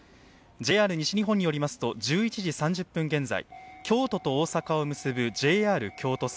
ＪＲ西日本によりますと１１時３０分現在京都と大阪を結ぶＪＲ京都線